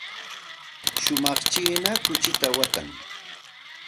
Shumaq china kuchita watan.